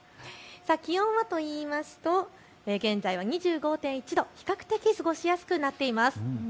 気温は、現在は２５．１度比較的過ごしやすくなっています。